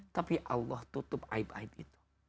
tapi allah tutup aib aib itu